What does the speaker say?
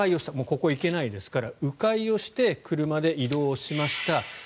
ここ、行けないですから迂回をして車で移動をしました。